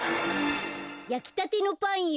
やきたてのパンよ。